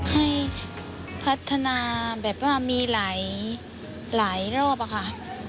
ให้พัฒนาแบบว่ามีหลายรอบอะค่ะ